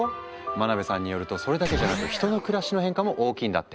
真辺さんによるとそれだけじゃなく人の暮らしの変化も大きいんだって。